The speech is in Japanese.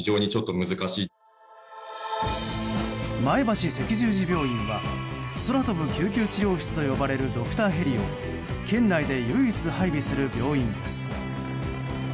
前橋赤十字病院は空飛ぶ救急治療室と呼ばれるドクターヘリを県内で唯一配備する病院です。